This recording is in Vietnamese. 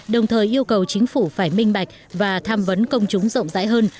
đồng thời yêu cầu chính phủ phải minh bạch và tham vấn công chúng rộng rãi hơn